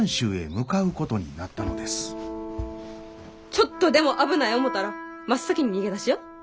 ちょっとでも危ない思たら真っ先に逃げ出しや。